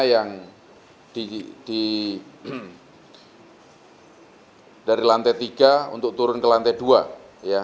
yang dari lantai tiga untuk turun ke lantai dua ya